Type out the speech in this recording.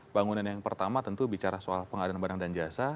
bangunan yang pertama tentu bicara soal pengadaan barang dan jasa